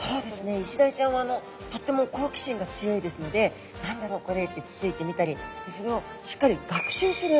イシダイちゃんはとっても好奇心が強いですので「何だろう？これ」ってつついてみたりそれをしっかり学習する能力もありますので。